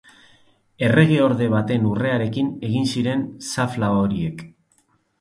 Erregeorde baten urrearekin egin ziren xafla horiek.